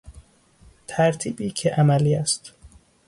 ترتیبی که عملی است